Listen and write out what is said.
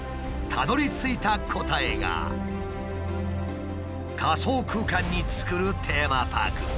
たどりついた答えが仮想空間に作るテーマパーク。